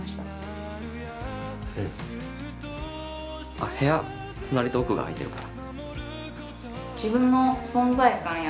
あっ部屋隣と奥が空いてるから。